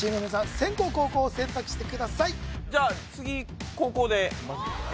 先攻後攻を選択してくださいマジで？